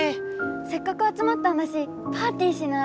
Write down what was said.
せっかくあつまったんだしパーティーしない？